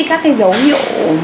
các cái dấu hiệu